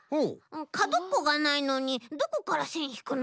かどっこがないのにどこからせんひくの？